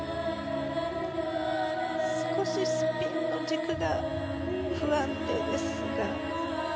少しスピンの軸が不安定ですが。